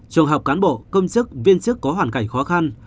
trường hợp cán bộ công chức viên chức có hoàn cảnh khó khăn